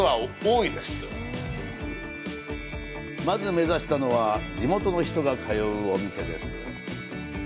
まず目指したのは、地元の人が通うお店です。